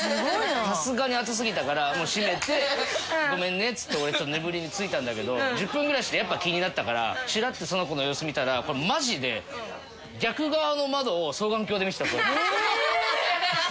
さすがに暑すぎたから閉めて「ごめんね」っつって俺眠りについたんだけど１０分ぐらいしてやっぱ気になったからチラッてその子の様子見たらこれマジで逆側の窓を双眼鏡で見てたこうやって。